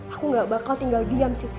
aku gak bakal tinggal diam sih